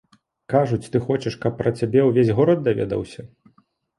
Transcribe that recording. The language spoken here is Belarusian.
Кажуць, ты хочаш, каб пра цябе ўвесь горад даведаўся?